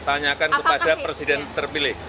tanyakan kepada presiden terpilih